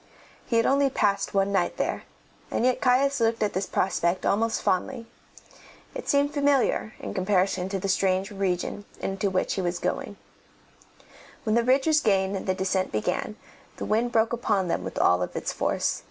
He had only passed one night there, and yet Caius looked at this prospect almost fondly. It seemed familiar in comparison with the strange region into which he was going. When the ridge was gained and the descent began, the wind broke upon them with all its force.